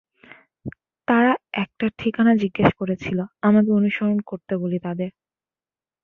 তারা একটা ঠিকানা জিজ্ঞেস করেছিলো, আমাকে অনুসরণ করতে বলি তাদের।